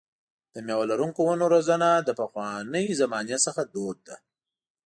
د مېوه لرونکو ونو روزنه له پخوانۍ زمانې څخه دود ده.